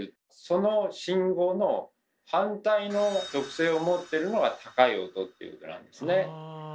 その信号の反対の特性を持ってるのが高い音っていうことなんですね。